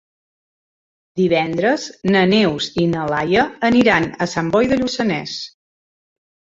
Divendres na Neus i na Laia aniran a Sant Boi de Lluçanès.